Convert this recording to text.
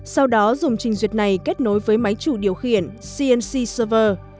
sau đó dùng trình duyệt này kết nối với máy chủ điều khiển cnc server